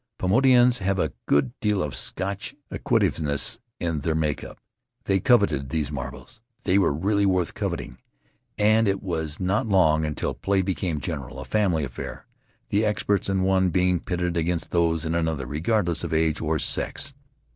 Paumotuans have a good deal of Scotch acquisitiveness in their make up. They coveted those marbles — they were really worth coveting — and it was not long until play became general, a family affair, the experts in one being pitted against those in another, regardless of age or sex.